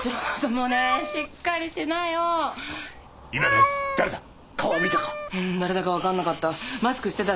ううん誰だかわかんなかった。